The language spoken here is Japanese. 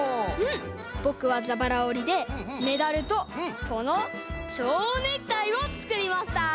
ぼくはじゃばらおりでメダルとこのちょうネクタイをつくりました。